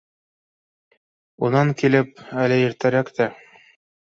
— Унан килеп, әле иртәрәк тә